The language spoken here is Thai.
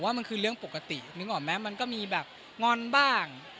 ว่ามันคือเรื่องปกตินึกออกไหมมันก็มีแบบงอนบ้าง